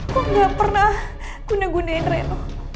kok gak pernah guna gunain reno